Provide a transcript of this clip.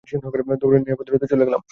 দৌড়ে নিরাপদ দূরত্বে চলে গেলাম।